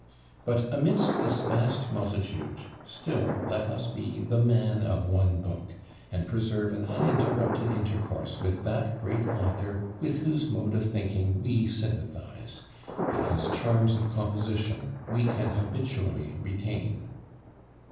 But amidst this vast multitude still let us be "the man of one book," and preserve an uninterrupted intercourse with that great author with whose mode of thinking we sympathise, and whose charms of composition we can habitually retain.